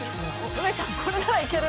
梅ちゃん、これならいける。